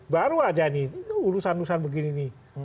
baru aja ini urusan urusan begini